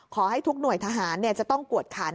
ขอให้ทุกหน่วยทหารจะต้องกวดขัน